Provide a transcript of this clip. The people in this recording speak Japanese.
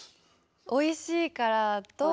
おいしいからと。